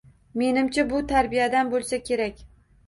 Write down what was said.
Menimcha, bu tarbiyadan bo‘lsa kerak.